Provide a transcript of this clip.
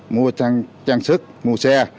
mua trang sức mua xe